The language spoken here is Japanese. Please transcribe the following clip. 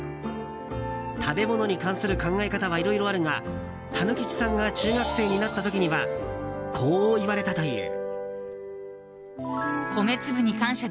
食べ物に関する考え方はいろいろあるがたぬきちさんが中学生になった時にはこう言われたという。